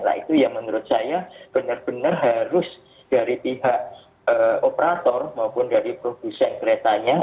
nah itu yang menurut saya benar benar harus dari pihak operator maupun dari produsen keretanya